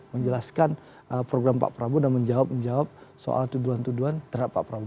menjelaskan program pak prabowo dan menjawab menjawab soal tuduhan tuduhan terhadap pak prabowo